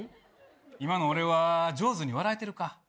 今の俺は上手に笑えてるか？